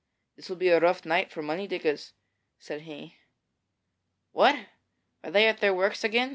'This will be a rough night for the money diggers,' said he. 'What! are they at their works again?'